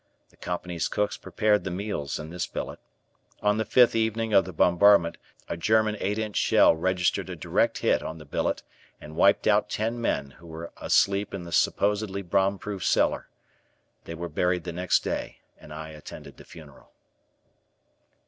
The Company's cooks prepared the meals in this billet. On the fifth evening of the bombardment a German eight inch shell registered a direct hit on the billet and wiped out ten men who were asleep in the supposedly bomb proof cellar. They were buried the next day and I attended the funeral.